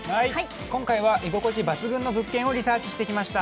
今回は居心地抜群の物件をリサーチしてきました。